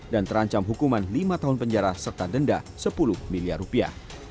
dan terancam hukuman lima tahun penjara serta denda sepuluh miliar rupiah